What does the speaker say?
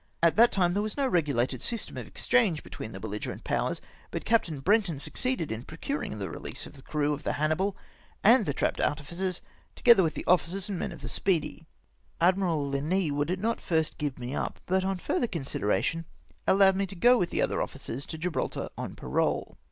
At that time there was no regulated system of exchange between the beUigerent powers, but Capt. CAPTUKE OF DOCKYARD ARTIFICERS. 133 Brenton succeeded in procuring the release of the crew of the Hannibal and the entrapped artificers, together with the officers and men of the Speedy. Admiral Linois would not at first give me up, but, on further consideration, allowed me to go with the other officers to Gibraltar on 2Mrole.